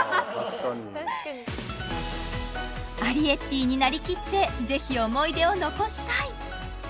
アリエッティになりきってぜひ思い出を残したい！